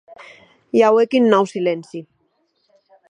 I auec un nau silenci.